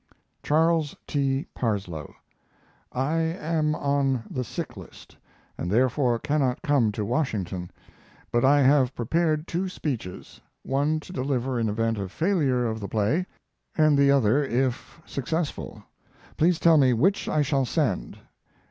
CHARLES T. PARSLOE, I am on the sick list, and therefore cannot come to Washington; but I have prepared two speeches one to deliver in event of failure of the play, and the other if successful. Please tell me which I shall send.